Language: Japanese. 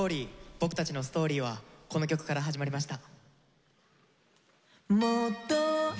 僕たちのストーリーはこの曲から始まりました。